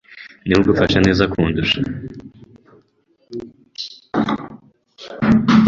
niwe ugufasha neza kundusha”